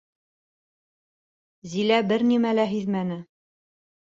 Зилә бер нәмә лә һиҙмәне.